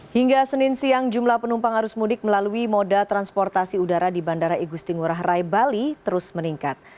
hingga senin siang jumlah penumpang harus mudik melalui moda transportasi udara di bandara igusti ngurah rai bali terus meningkat